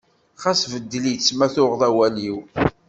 Xas beddel-itt ma tuɣeḍ awal-iw.